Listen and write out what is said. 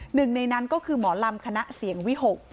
หนึ่งในนั้นก็คือหมอลำคณะเสียงวิหก